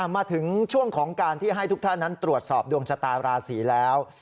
มาถึงช่วงของการที่ให้ทุกท่านนั้นตรวจสอบดวงชะตาราศีแล้ว